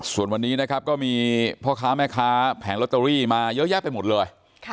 ส่วนวันนี้นะครับก็มีพ่อค้าแม่ค้าแผงลอตเตอรี่มาเยอะแยะไปหมดเลย